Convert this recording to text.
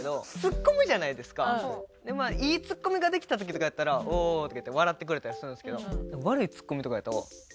いいツッコミができた時とかやったらおおー！とか言って笑ってくれたりするんですけど。